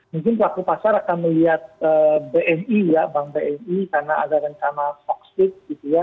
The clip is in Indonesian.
mungkin pelaku pasar akan melihat bni ya bank bni karena ada rencana foxfit gitu ya